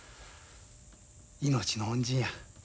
命の恩人や。